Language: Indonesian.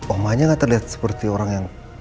omanya gak terlihat seperti orang yang